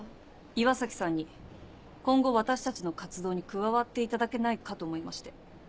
岩崎さんに今後私たちの活動に加わっていただけないかと思いまして。